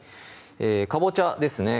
かぼちゃですね